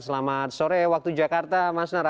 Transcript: selamat sore waktu jakarta mas nara